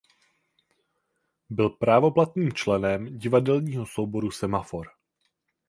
Byl právoplatným členem divadelního souboru Semafor.